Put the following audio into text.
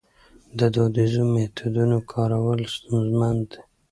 د دودیزو میتودونو کارول ستونزمن دي.